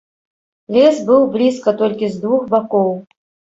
Лес быў блізка толькі з двух бакоў.